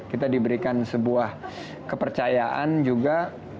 kita diberikan sebuah kepercayaan juga